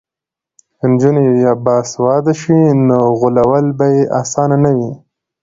که نجونې باسواده شي نو غولول به یې اسانه نه وي.